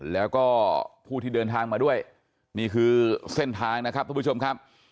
แล้วก็ผู้ที่เดินทางมาด้วยนี่คือเส้นทางนะครับทุกผู้ชมครับ